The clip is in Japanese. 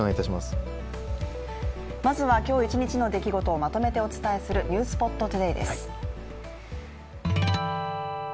まずは今日一日の出来事をまとめてお伝えする「ｎｅｗｓｐｏｔＴｏｄａｙ」です。